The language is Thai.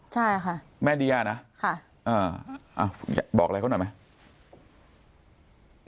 ใช่ค่ะแม่เดียนะค่ะอ่าบอกอะไรเขาหน่อยไหม